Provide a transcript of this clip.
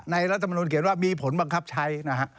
รัฐมนุนเขียนว่ามีผลบังคับใช้นะฮะ